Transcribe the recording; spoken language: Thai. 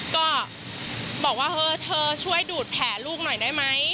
ก็บอกว่าเธอช่วยดูดแผลลูกหน่อยได้ไหม